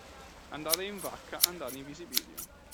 Andare in vaccaAndare in visibilio.